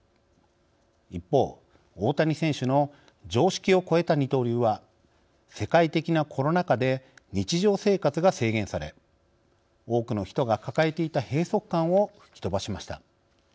一方、大谷選手の常識を超えた二刀流は世界的なコロナ禍で日常生活が制限され多くの人が抱えていた閉塞感を吹き飛ばしました。